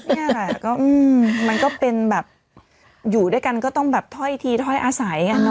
นี่แหละก็มันก็เป็นแบบอยู่ด้วยกันก็ต้องแบบถ้อยทีถ้อยอาศัยกัน